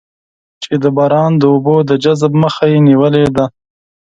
چې د باران د اوبو د جذب مخه یې نېولې ده.